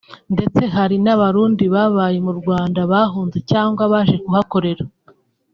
ndetse hari n’abarundi babaye mu Rwanda bahunze cyangwa baje kuhakorera